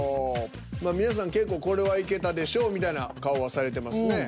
まあ皆さん結構これはいけたでしょうみたいな顔はされてますね。